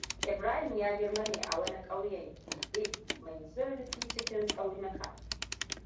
Ibrahim ya girma ne a wani ƙauyen keɓe mai zurfi cikin tsaunuka.